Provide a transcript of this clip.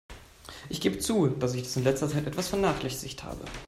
Ich gebe zu, dass ich das in letzter Zeit etwas vernachlässigt habe.